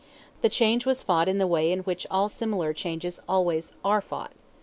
The change was fought in the way in which all similar changes always are fought.